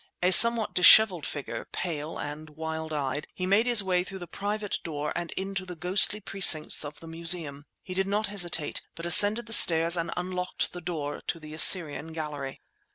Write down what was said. A somewhat dishevelled figure, pale and wild eyed, he made his way through the private door and into the ghostly precincts of the Museum. He did not hesitate, but ascended the stairs and unlocked the door of the Assyrian gallery.